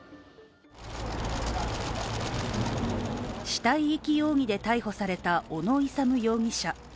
死体遺棄容疑で逮捕された小野勇容疑者。